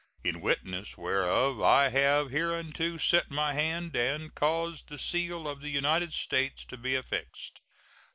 In witness whereof I have hereunto set my hand and caused the seal of the United States to be affixed.